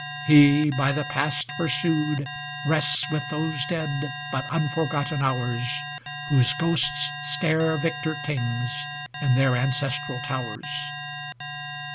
He, by the past pur sued, Rests with those dead but unforgotten hours, Whose ghosts scare victor kings in their ancestral towers.